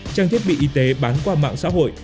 trang thiết bị y tế bán qua mạng xã hội